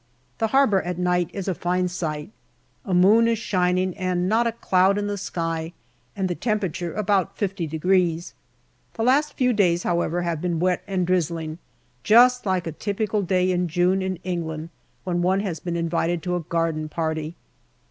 The harbour at night is a fine sight. A moon is shining and not a cloud in the sky, and the temperature about 50. The last few days, however, have been wet and drizzling, just like a typical day in June in England when one has been invited to a garden party.